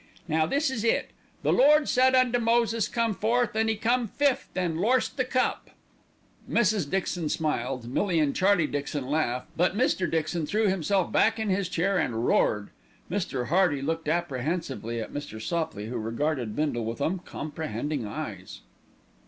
"Now this is it. 'The Lord said unto Moses come forth, and 'e come fifth an' lorst the cup.'" Mrs. Dixon smiled, Millie and Charlie Dixon laughed; but Mr. Dixon threw himself back in his chair and roared. Mr. Hearty looked apprehensively at Mr. Sopley, who regarded Bindle with uncomprehending eyes.